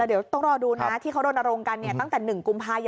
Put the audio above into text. เดี๋ยวต้องรอดูนะที่เขารณรงค์กันตั้งแต่๑กุมภาย